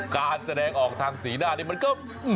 การแสดงออกทางสีหน้านี่มันก็